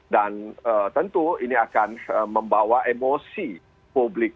dan tentu ini akan membawa emosi publik